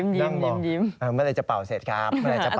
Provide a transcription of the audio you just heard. นั่งมองเมื่อไหร่จะเป่าเสร็จครับ